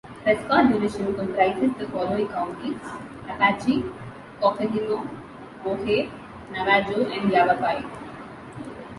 Prescott Division comprises the following counties: Apache, Coconino, Mohave, Navajo, and Yavapai.